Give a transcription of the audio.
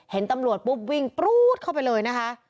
เห็นตำรวจปุ๊บวิ่งปรู๊ดเข้าไปเลยนะคะ